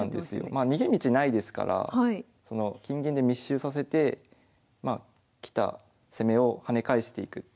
まあ逃げ道ないですから金銀で密集させて来た攻めを跳ね返していくっていうことですね。